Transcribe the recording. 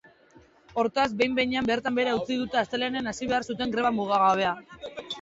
Hortaz, behin-behinean bertan behera utzi dute astelehenean hasi behar zuten greba mugagabea.